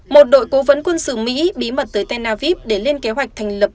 một đội cố vấn quân sự mỹ bí mật tới tel aviv để lên kế hoạch thành lập